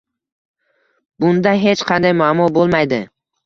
Bunda hech qanday muammo bo‘lmaydi.